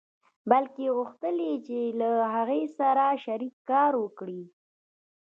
بلکې غوښتل يې له هغه سره شريک کار وکړي.